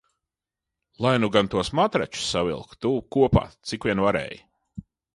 Lai nu gan tos matračus savilka tuvu kopā cik vien varēja.